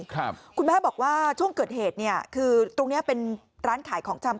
คุณแม่บอกว่าช่วงเกิดเหตุตรงนี้เป็นร้านขายของชำ